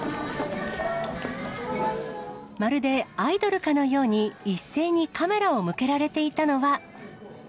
まるでアイドルかのように、一斉にカメラを向けられていたのは。